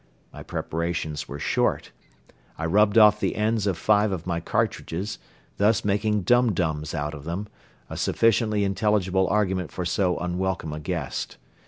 My preparations were short. I rubbed off the ends of five of my cartridges, thus making dum dums out of them, a sufficiently intelligible argument for so unwelcome a guest.